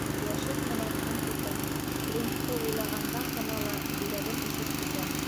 Йәшен менән ант итәм, Флинтты уйлағандан ғына ла йөрәгем өшөп китә.